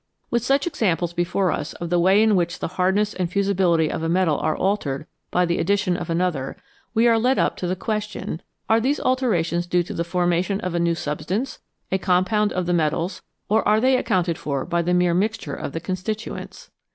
With such examples before us of the way in which the hardness and fusibility of a metal are altered by the addition of another, we are led up to the question Are these alterations due to the formation of a new substance, a compound of the metals, or are they accounted for by the mere mixture of the constituents